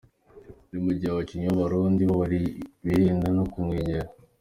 Ni mu gihe abakinnyi b’Abarundi bo birinda no kumwegera.”